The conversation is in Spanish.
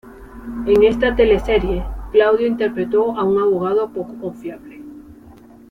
En esta teleserie, Claudio interpretó a un abogado poco confiable.